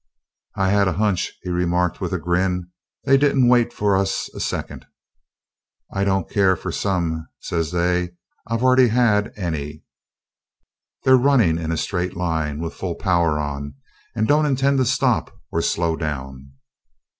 "I had a hunch," he remarked with a grin. "They didn't wait for us a second. 'I don't care for some,' says they, 'I've already had any.' They're running in a straight line, with full power on, and don't intend to stop or slow down."